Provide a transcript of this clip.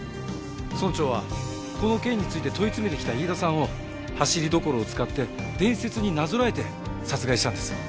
村長はこの件について問い詰めてきた飯田さんをハシリドコロを使って伝説になぞらえて殺害したんです。